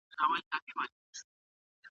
ډګر څېړنه د حقایقو د لیدلو ښه وسیله ده.